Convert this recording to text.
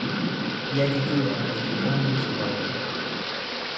Jackie Coogan was the only survivor.